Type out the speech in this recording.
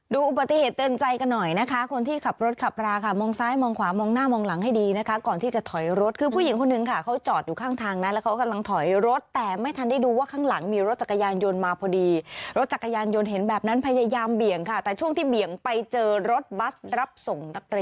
อุบัติเหตุเตือนใจกันหน่อยนะคะคนที่ขับรถขับราค่ะมองซ้ายมองขวามองหน้ามองหลังให้ดีนะคะก่อนที่จะถอยรถคือผู้หญิงคนหนึ่งค่ะเขาจอดอยู่ข้างทางนั้นแล้วเขากำลังถอยรถแต่ไม่ทันได้ดูว่าข้างหลังมีรถจักรยานยนต์มาพอดีรถจักรยานยนต์เห็นแบบนั้นพยายามเบี่ยงค่ะแต่ช่วงที่เบี่ยงไปเจอรถบัสรับส่งนักเรียน